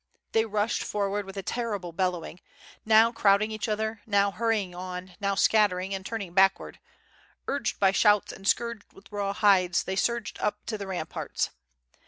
They rushed forward with a terrible bellowing, now crow^ding each other, now hurrying on, now scattering and turning backward; urged by shouts and scourged with raw hides they surged up to the ramparts.